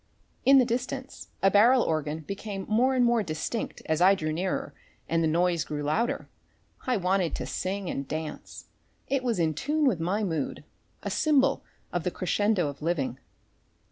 In the distance a barrel organ became more and more distinct and as I drew nearer and the noise grew louder, I wanted to dance and sing. It was in tune with my mood. A symbol of the crescendo of living.